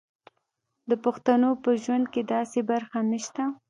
د پښتنو په ژوند کې داسې برخه نشته.